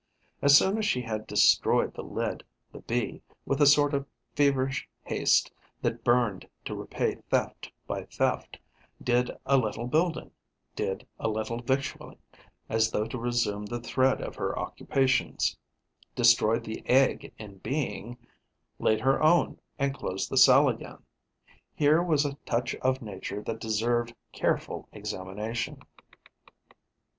As soon as she had destroyed the lid, the Bee, with a sort of feverish haste that burned to repay theft by theft, did a little building, did a little victualling, as though to resume the thread of her occupations, destroyed the egg in being, laid her own and closed the cell again. Here was a touch of nature that deserved careful examination.